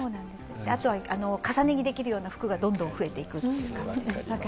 あとは、重ね着できるような服がどんどん増えていくような感じです。